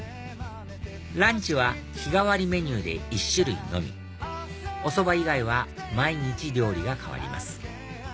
ランチは日替わりメニューで１種類のみおそば以外は毎日料理が替わります